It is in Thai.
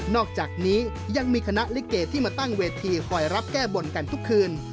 อกจากนี้ยังมีคณะลิเกที่มาตั้งเวทีคอยรับแก้บนกันทุกคืน